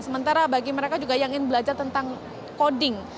sementara bagi mereka juga yang ingin belajar tentang coding